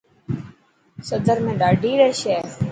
سدر ۾ ڏاڌي رش هي.